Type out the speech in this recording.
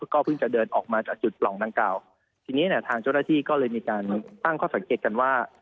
ก็เพิ่งจะเดินออกมาจากจุดปล่องดังกล่าวทีนี้เนี่ยทางเจ้าหน้าที่ก็เลยมีการตั้งข้อสังเกตกันว่า